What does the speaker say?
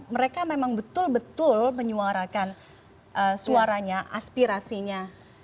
mereka memang betul betul menyuarakan suaranya aspirasinya